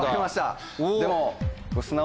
でも。